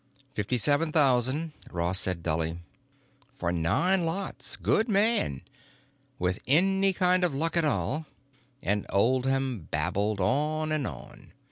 "Fifty seven thousand," Ross said dully. "For nine lots? Good man! With any kind of luck at all——" And Oldham babbled on and on.